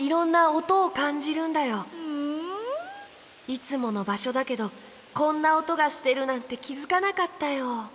いつものばしょだけどこんなおとがしてるなんてきづかなかったよ。